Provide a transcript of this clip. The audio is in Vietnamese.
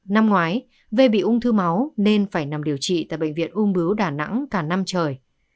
năm ngoái vê bị ung thư máu nên phải nằm điều trị tại bệnh viện ung bướu đà nẵng cả năm trời